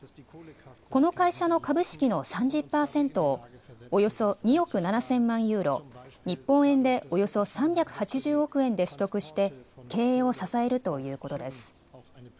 この会社の株式の３０％をおよそ２億７０００万ユーロ、日本円でおよそ３８０億円で取得して経営を支えるということです。